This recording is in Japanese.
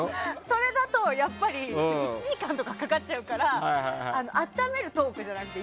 それだと１時間とかかかっちゃうから温めるトークじゃなくて。